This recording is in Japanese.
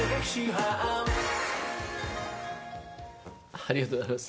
ありがとうございます。